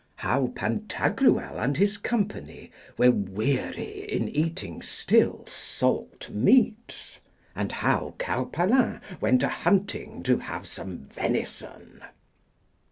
How Pantagruel and his company were weary in eating still salt meats; and how Carpalin went a hunting to have some venison.